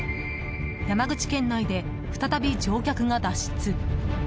山口県内で、再び乗客が脱出。